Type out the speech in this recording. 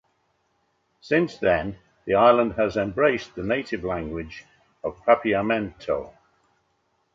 Since then, the island has embraced the native language of Papiamento.